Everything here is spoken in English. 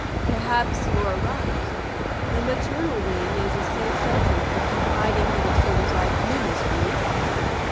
"Perhaps you are right. The maternal wing is a safe shelter for confiding little souls like you, Miss Ruth.